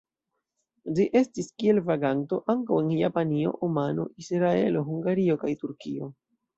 Ĝi estis kiel vaganto ankaŭ en Japanio, Omano, Israelo, Hungario kaj Turkio.